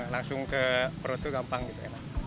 langsung ke perut itu gampang gitu enak